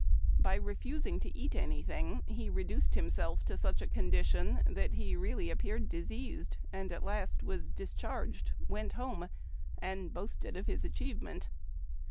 By refusing to eat anything, he reduced himself to such a condition that he really appeared diseased, and at last was discharged, went home, and boasted of Ins achievement.